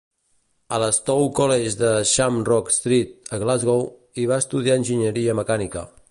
A l'Stow College de "Shamrock Street" a Glasgow, hi va estudiar Enginyeria Mecànica.